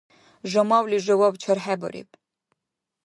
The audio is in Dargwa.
Жамавли жаваб чархӀебариб.